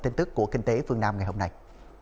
tin tức của kinh tế phương nam ngày hôm nay